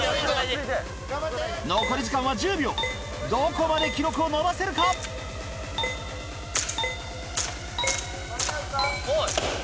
残り時間は１０秒どこまで記録を伸ばせるか⁉間に合うか？